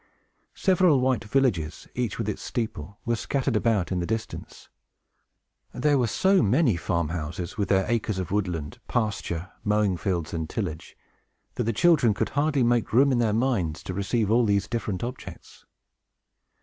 Several white villages, each with its steeple, were scattered about in the distance. There were so many farm houses, with their acres of woodland, pasture, mowing fields, and tillage, that the children could hardly make room in their minds to receive all these different objects.